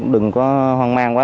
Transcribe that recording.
đừng có hoang mang quá